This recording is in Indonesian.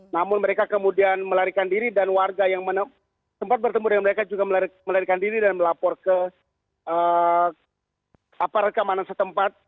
namun mereka kemudian melarikan diri dan warga yang sempat bertemu dengan mereka juga melarikan diri dan melapor ke aparat keamanan setempat